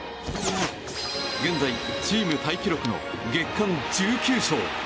現在、チームタイ記録の月間１９勝。